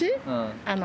あの。